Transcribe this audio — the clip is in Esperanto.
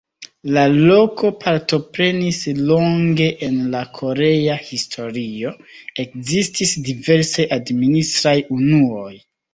La loko partoprenis longe en la korea historio, ekzistis diversaj administraj unuoj.